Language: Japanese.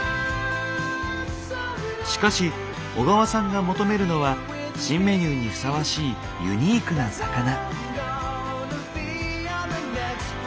しかし小川さんが求めるのは新メニューにふさわしいユニークな魚。